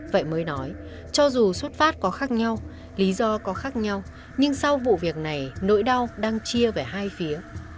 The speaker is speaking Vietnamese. vậy mới nói cho dù xuất phát có khác nhau lý do có khác nhau nhưng sau vụ việc này nỗi đau đang chia về hai phía